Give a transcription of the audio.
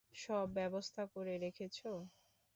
সব ব্যবস্থা করে রেখেছো?